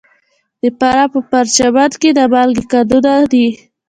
د فراه په پرچمن کې د مالګې کانونه دي.